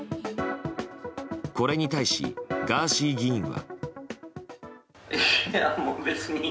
これに対し、ガーシー議員は。